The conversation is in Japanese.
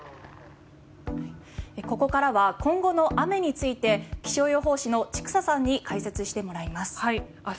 ここからは今後の雨について気象予報士の千種さんに解説してもらいます。